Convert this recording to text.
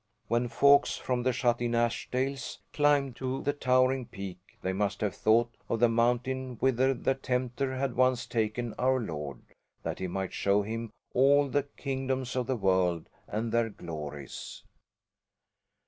When folks from the shut in Ashdales climbed to the towering peak they must have thought of the mountain whither the Tempter had once taken Our Lord, that he might show Him all the kingdoms of the world, and their glories.